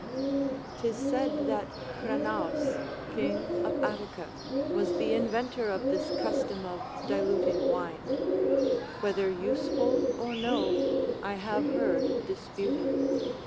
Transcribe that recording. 'Tis said that Cranabs, king of Attica, was the inventor of this custom of diluting wine; whether useful or no, I have heard disputed.